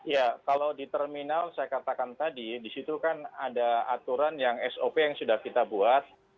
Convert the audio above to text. ya kalau di terminal saya katakan tadi disitu kan ada aturan yang sop yang sudah kita buat